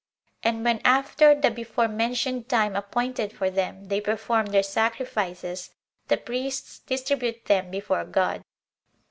And when after the before mentioned time appointed for them, they perform their sacrifices, the priests distribute them before God.